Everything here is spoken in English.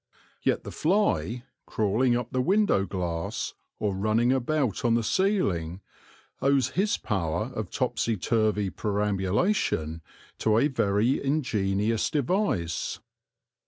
Yet the fly, crawling up the window glass, or running about on the ceiling, owes his power of topsy turvy perambulation to a very ingenious device.